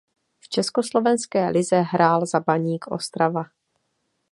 V československé lize hrál za Baník Ostrava.